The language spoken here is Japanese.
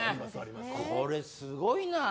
これすごいな。